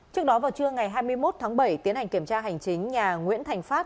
trước đó vào trưa ngày hai mươi một tháng bảy tiến hành kiểm tra hành chính nhà nguyễn thành phát